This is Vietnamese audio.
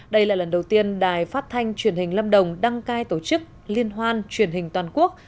đây là lần đầu tiên đài phát thanh truyền hình lâm đồng đăng cai tổ chức liên hoan truyền hình toàn quốc